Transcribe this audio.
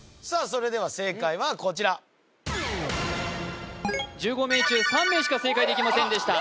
それでは正解はこちら１５名中３名しか正解できませんでした